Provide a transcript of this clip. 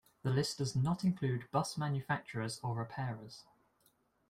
The list does not include bus manufacturers or repairers.